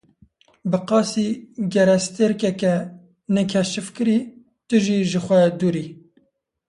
Bi qasî gerestêrkeke nekeşifkirî, tu ji xwe dûr î.